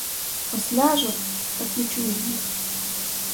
Ось ляжу, так не чую їх.